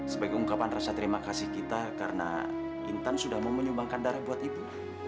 sebagai ungkapan rasa terima kasih kita karena intan sudah mau menyumbangkan darah buat ibu